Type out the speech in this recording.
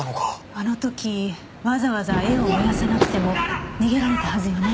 あの時わざわざ絵を燃やさなくても逃げられたはずよね。